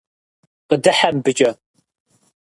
Къыдыхьэ мыбыкӀэ.